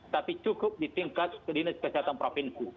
tapi cukup di tingkat dinas kesehatan provinsi